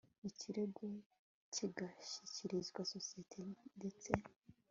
ikirego kigashyikirizwa sosiyete ndetse